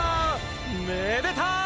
めでたい！